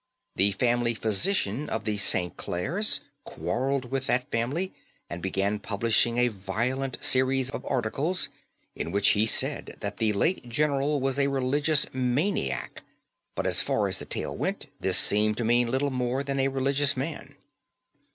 The family physician of the St. Clares quarrelled with that family, and began publishing a violent series of articles, in which he said that the late general was a religious maniac; but as far as the tale went, this seemed to mean little more than a religious man.